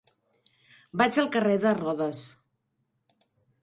Vaig al carrer de Rodes.